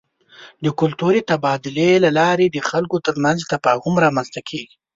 د کلتوري تبادلې له لارې د خلکو ترمنځ تفاهم رامنځته کېږي.